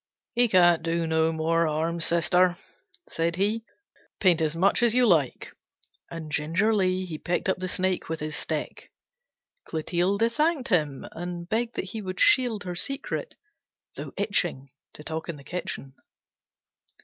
"He can't do no more harm, Sister," said he. "Paint as much as you like." And gingerly He picked up the snake with his stick. Clotilde Thanked him, and begged that he would shield Her secret, though itching To talk in the kitchen.